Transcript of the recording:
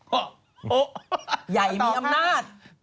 ใหญ่มีอำนาจ